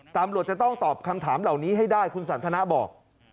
ตำรวจจะต้องตอบคำถามเหล่านี้ให้ได้คุณสันทนาบอก